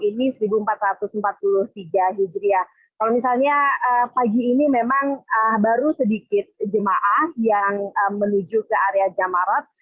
ini seribu empat ratus empat puluh tiga hijriah kalau misalnya pagi ini memang baru sedikit jemaah yang menuju ke area jamarot